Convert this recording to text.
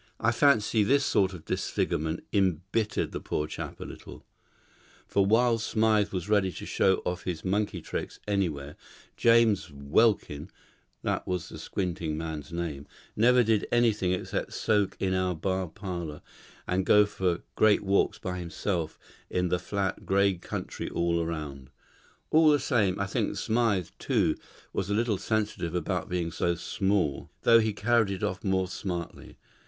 I fancy this sort of disfigurement embittered the poor chap a little; for while Smythe was ready to show off his monkey tricks anywhere, James Welkin (that was the squinting man's name) never did anything except soak in our bar parlour, and go for great walks by himself in the flat, grey country all round. All the same, I think Smythe, too, was a little sensitive about being so small, though he carried it off more smartly.